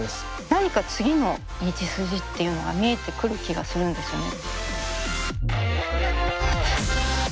何か次の道筋っていうのが見えてくる気がするんですよね。